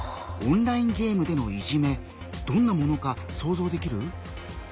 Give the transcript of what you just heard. オンラインゲームでのいじめどんなものか想像できる？